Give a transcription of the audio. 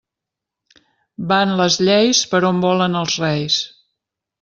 Van les lleis per on volen els reis.